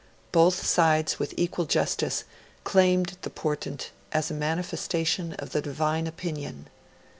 Both sides, with equal justice, claimed the portent as a manifestation of the Divine Opinion.